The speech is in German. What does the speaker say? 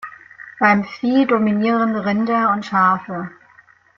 Beim Vieh dominieren Rinder und Schafe.